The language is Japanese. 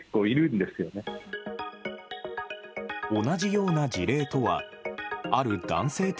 同じような事例とはある男性